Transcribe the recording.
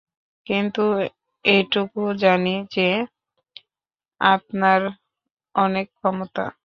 কিন্তু এটুকু জানি যে, আপনার অনেক ক্ষমতা।